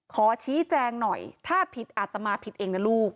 ขอชี้แจงหน่อยถ้าผิดอาตมาผิดเองนะลูก